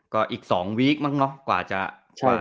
ก็อีก๒วีคมั้งเนอะกว่าจะกลับมา